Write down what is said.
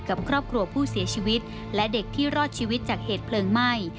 กับครอบครัวผู้เสียชีวิตและเด็กที่รอดชีวิตจากเหตุเพลิงไหม้